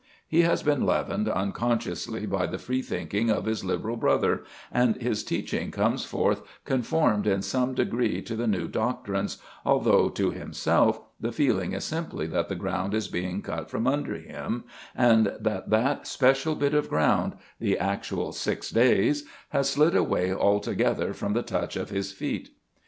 He has been leavened unconsciously by the free thinking of his liberal brother, and his teaching comes forth conformed in some degree to the new doctrines, although, to himself, the feeling is simply that the ground is being cut from under him, and that that special bit of ground, the actual six days, has slid away altogether from the touch of his feet.